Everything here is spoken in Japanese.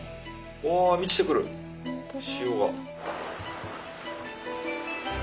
お満ちてくる潮が。